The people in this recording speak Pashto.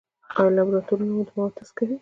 آیا لابراتوارونه د موادو ټسټ کوي؟